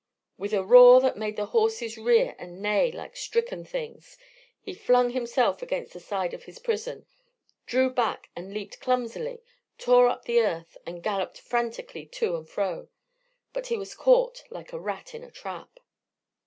With a roar that made the horses rear and neigh like stricken things, he flung himself against the sides of his prison, drew back and leaped clumsily, tore up the earth, and galloped frantically to and fro. But he was caught like a rat in a trap.